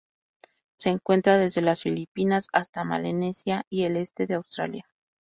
Se encuentra desde las Filipinas hasta Melanesia y el este de Australia.